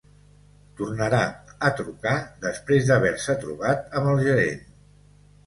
Tornarà a trucar després d'haver-se trobat amb el gerent.